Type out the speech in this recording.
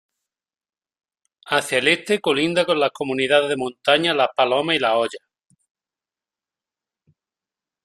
Hacia el este colinda con las comunidades de montaña Las Palomas y Las Ollas.